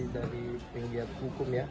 dari penggiat hukum ya